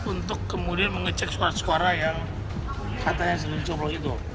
untuk kemudian mengecek surat suara yang katanya tercoblos itu